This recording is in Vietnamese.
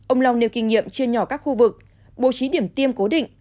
ông long nêu kinh nghiệm chia nhỏ các khu vực bố trí điểm tiêm cố định